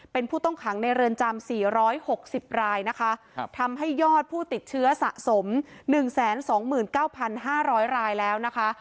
เป็นผู้ต้องขังในเรือนจำสี่ร้อยหกสิบรายนะคะครับทำให้ยอดผู้ติดเชื้อสะสมหนึ่งแสนสองหมื่นเก้าพันห้าร้อยรายแล้วนะคะ